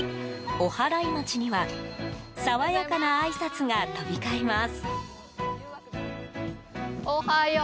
おはらい町には爽やかなあいさつが飛び交います。